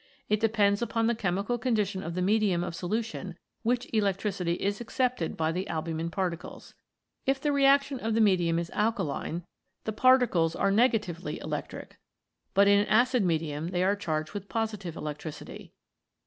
It depends upon the chemical con dition of the medium of solution which electricity is accepted by the albumin particles. If the reaction of the medium is alkaline, the particles are 3 1 CHEMICAL PHENOMENA IN LIFE negatively electric, but in acid medium they are charged with positive electricity.